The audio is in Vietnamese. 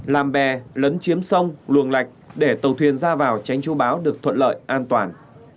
làm bè lấn chiếm sông luồng lạch để tàu thuyền ra vào tránh chú báo được thuận lợi an toàn